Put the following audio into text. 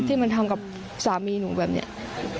ที่มันทำกับสามีหนูแบบนี้